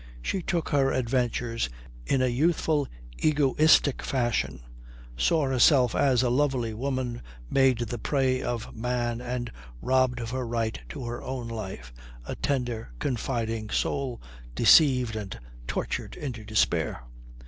She took her adventures in a youthful, egoistic fashion: saw herself as a lovely woman made the prey of man and robbed of her right to her own life, a tender, confiding soul deceived and tortured into despair.